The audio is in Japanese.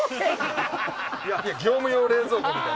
業務用冷蔵庫みたい。